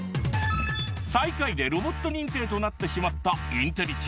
最下位でロボット認定となってしまったインテリチ―